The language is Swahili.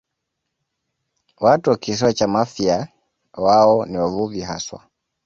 Watu wa Kisiwa cha Mafia wao ni wavuvi haswa